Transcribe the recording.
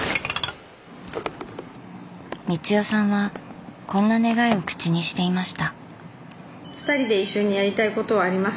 光代さんはこんな願いを口にしていました。